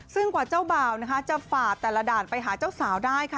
ซึ่งกว่าเจ้าบ่าวนะคะจะฝ่าแต่ละด่านไปหาเจ้าสาวได้ค่ะ